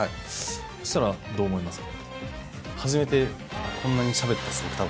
そしたらどう思いますか？